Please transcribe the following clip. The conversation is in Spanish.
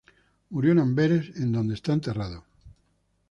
Murió en Amberes, en donde está enterrada.